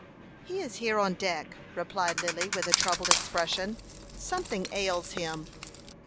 "He is here on deck," replied Lily, with a troubled expression. "Something ails him."